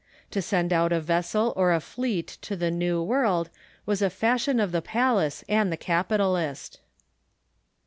To send out a vessel or a fleet to the New World was the fashion of the palace and the capitalist.